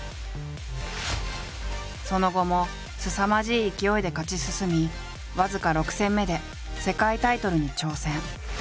その後もすさまじい勢いで勝ち進み僅か６戦目で世界タイトルに挑戦。